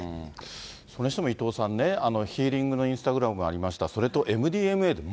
それにしても伊藤さんね、ヒーリングのインスタグラムありました、